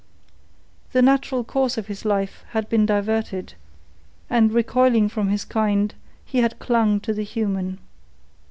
The natural course of his life had been diverted, and, recoiling from his kind, he had clung to the human.